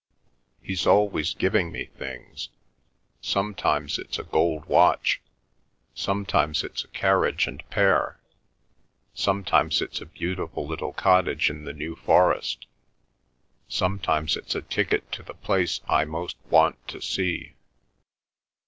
He's always giving me things. Sometimes it's a gold watch; sometimes it's a carriage and pair; sometimes it's a beautiful little cottage in the New Forest; sometimes it's a ticket to the place I most want to see."